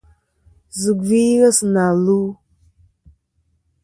Zɨ gvi ghesi na lu.